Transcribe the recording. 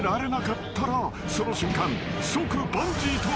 ［その瞬間］